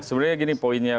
sebenarnya gini poinnya